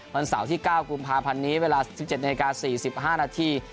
วันเสาร์ที่๙กุมภาพันธ์นี้เวลา๑๗นาที๔๕นาที